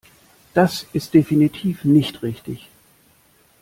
Das ist definitiv nicht richtig.